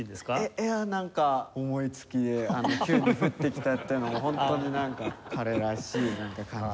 いやなんか思いつきで急に降ってきたっていうのも本当になんか彼らしい感じです。